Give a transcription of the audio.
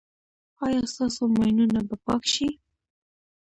ایا ستاسو ماینونه به پاک شي؟